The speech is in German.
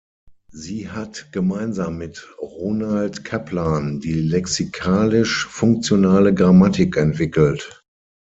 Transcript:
Sie hat gemeinsam mit Ronald Kaplan die Lexikalisch-funktionale Grammatik entwickelt.